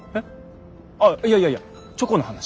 ああいやいやいやチョコの話。